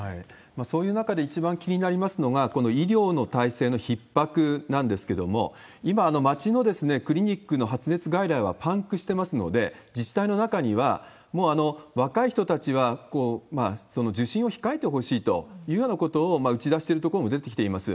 そういう中で、一番気になりますのが、この医療の体制のひっ迫なんですけれども、今、街のクリニックの発熱外来はパンクしてますので、自治体の中には、もう若い人たちは受診を控えてほしいというようなことを打ち出してる所も出てきています。